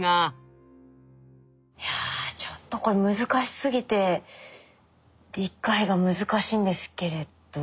いやちょっとこれ難しすぎて理解が難しいんですけれど。